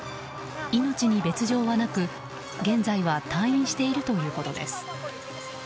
命に別条はなく、現在は退院しているということです。